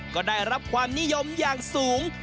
ก็ได้รับความนิยมอย่างสูง